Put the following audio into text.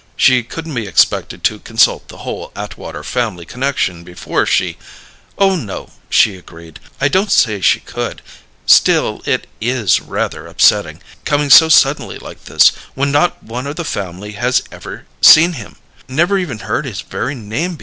"She couldn't be expected to consult the whole Atwater family connection before she " "Oh, no," she agreed. "I don't say she could. Still, it is rather upsetting, coming so suddenly like this, when not one of the family has ever seen him never even heard his very name before."